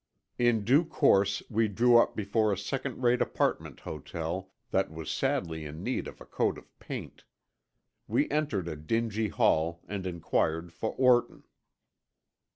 In due course we drew up before a second rate apartment hotel that was sadly in need of a coat of paint. We entered a dingy hall and inquired for Orton.